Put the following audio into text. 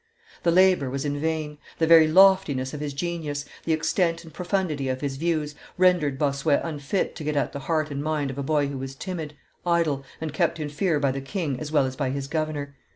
The labor was in vain; the very loftiness of his genius, the extent and profundity of his views, rendered Bossuet unfit to get at the heart and mind of a boy who was timid, idle, and kept in fear by the king as well as by his governor.